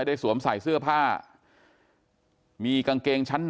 กลุ่มตัวเชียงใหม่